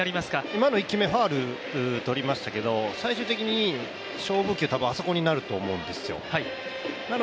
今のファウル取りましたけれども最終的に勝負球という球はあそこになると思うんですよ。